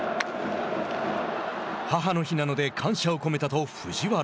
母の日なので感謝を込めたと藤原。